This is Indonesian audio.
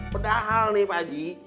padahal nih pak haji